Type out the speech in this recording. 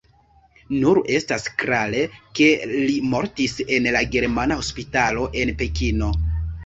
Nur estas klare, ke li mortis en la Germana Hospitalo en Pekino.